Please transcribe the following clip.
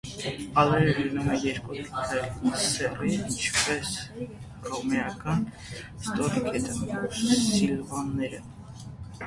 Ալերը լինում են երկու սեռի, ինչպես հռոմեական ստրիգներն ու սիլվաները։